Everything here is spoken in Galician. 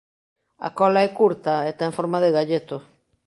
A cola é curta e ten forma de galleto.